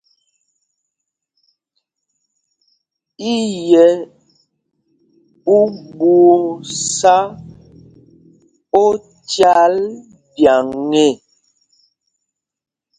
I yɛ̄ ú ɓuu sá ócâl ɗyaŋ e ?